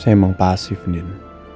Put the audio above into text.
saya emang pasif nih